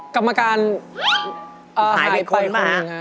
กรรมการหายไปมา